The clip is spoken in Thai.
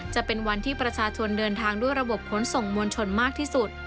จะเป็นวันที่ประชาชนเดินทางด้วยระบบขนส่งมวลชนมากที่สุด